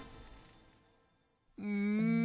うん。